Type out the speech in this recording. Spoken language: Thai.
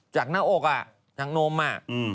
จากหน้าอกอ่ะจากนมมา